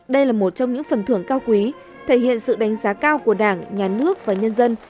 đây là một trong những phần thưởng cao quý thể hiện sự đánh giá cao của đảng nhà nước và nhân dân